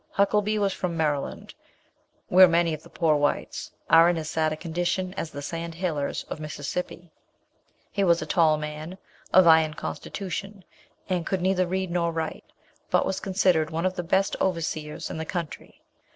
Huckelby was from Maryland, where many of the poor whites are in as sad a condition as the Sand Hillers of Mississippi. He was a tall man, of iron constitution, and could neither read nor write, but was considered one of the best overseers in the country.